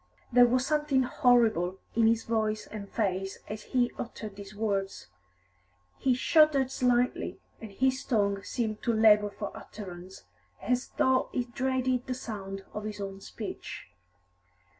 There was something horrible in his voice and face as he uttered these words; he shuddered slightly, and his tongue seemed to labour for utterance, as though he dreaded the sound of his own speech.